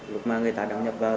lúc mà người ta đăng nhập vào